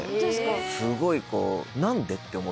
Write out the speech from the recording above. すごいこう。